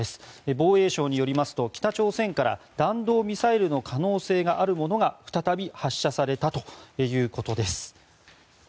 防衛省によりますと北朝鮮から弾道ミサイルの可能性があるものが再び発射されたということです。